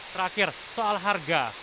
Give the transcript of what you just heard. terakhir soal harga